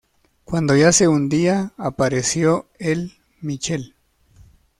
Cuando ya se hundía, apareció el "Michel".